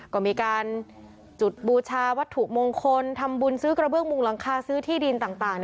ก็มีการจุดบูชาวัตถุมงคลทำบุญซื้อกระเบื้องมุงหลังคาซื้อที่ดินต่าง